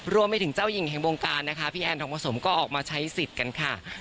รวมไปถึงเจ้าหญิงแห่งวงการนะคะพี่แอนทองผสมก็ออกมาใช้สิทธิ์กันค่ะ